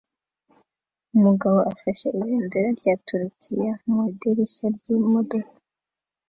Umugabo afashe ibendera rya Turukiya mu idirishya ryimodoka